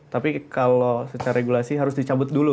tapi kalau secara regulasi harus dicabut dulu